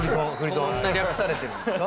そんな略されてるんですか？